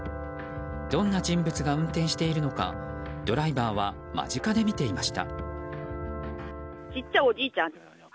どんな人物が運転しているのかドライバーは間近で見ていました。